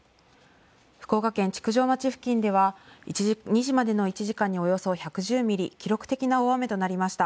福岡県築上町付近では午前２時までの１時間におよそ１１０ミリ記録的な大雨となりました。